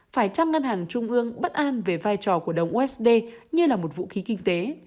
phải chăng ngân hàng trung ương bất an về vai trò của đồng usd như là một vũ khí kinh tế